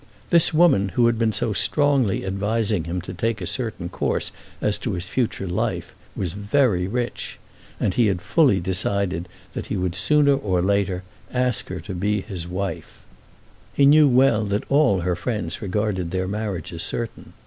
This woman who had been so strongly advising him to take a certain course as to his future life, was very rich; and he had fully decided that he would sooner or later ask her to be his wife. He knew well that all her friends regarded their marriage as certain.